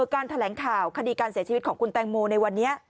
การแถลงข่าวคดีการเสียชีวิตของคุณแตงโมในวันนี้